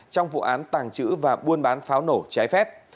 trong vụ án tàng trữ và buôn bán pháo nổ trái phép